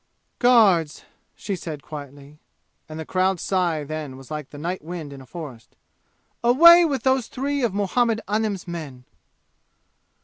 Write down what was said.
"Guards!" she said quietly. And the crowd's sigh then was like the night wind in a forest. "Away with those three of Muhammad Anim's men!"